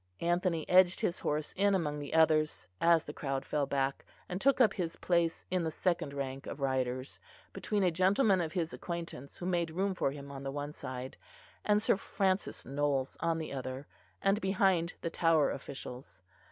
Anthony edged his horse in among the others, as the crowd fell back, and took up his place in the second rank of riders between a gentleman of his acquaintance who made room for him on the one side, and Sir Francis Knowles on the other, and behind the Tower officials.